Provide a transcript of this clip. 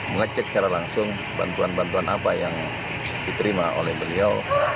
mengecek secara langsung bantuan bantuan apa yang diterima oleh beliau